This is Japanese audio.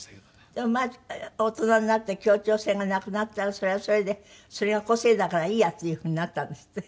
でも大人になって協調性がなくなったらそれはそれでそれが個性だからいいやっていうふうになったんですって？